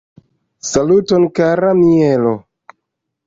Saluton kara Mielo!